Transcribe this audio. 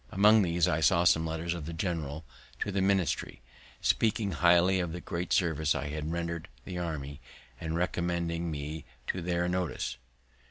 Among these I saw some letters of the general to the ministry, speaking highly of the great service I had rendered the army, and recommending me to their notice.